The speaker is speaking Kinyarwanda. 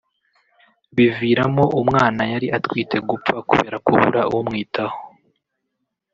biviramo umwana yari atwitwe gupfa kubera kubura umwitaho